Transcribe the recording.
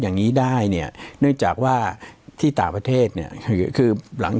อย่างนี้ได้เนี่ยเนื่องจากว่าที่ต่างประเทศเนี่ยคือคือหลัง